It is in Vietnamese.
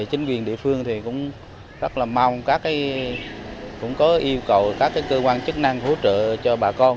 chính quyền địa phương thì cũng rất là mong các cũng có yêu cầu các cơ quan chức năng hỗ trợ cho bà con